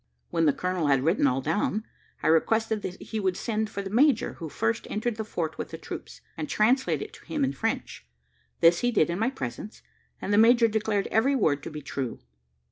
When the colonel had written all down, I requested that he would send for the major who first entered the fort with the troops, and translate it to him in French. This he did in my presence, and the major declared every word to be true.